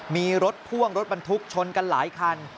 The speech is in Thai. มีรถพ่วงรถบรรทุกชนกันหลายคัน